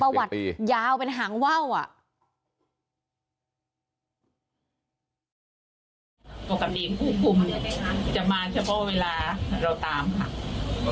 ประวัติยาวเป็นหางว่าวอ่ะ